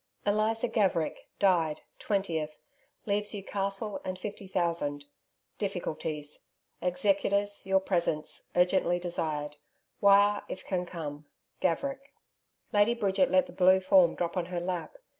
'ELIZA GAVERICK DIED TWENTIETH LEAVES YOU CASTLE AND FIFTY THOUSAND DIFFICULTIES EXECUTORS YOUR PRESENCE URGENTLY DESIRED WIRE IF CAN COME, GAVERICK' Lady Bridget let the blue form drop on her lap.